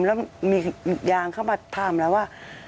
แล้วมีอย่างเขามาถามแล้วว่า